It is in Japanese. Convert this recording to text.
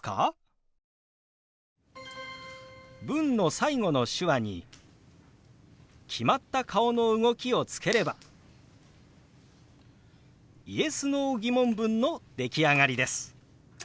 文の最後の手話に決まった顔の動きをつければＹｅｓ／Ｎｏー疑問文の出来上がりです。